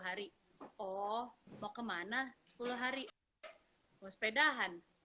sepuluh hari mau sepedahan